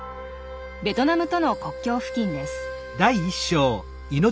ベトナムとの国境付近です。